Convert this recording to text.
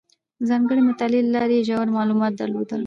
ځانګړې مطالعې له لارې یې ژور معلومات درلودل.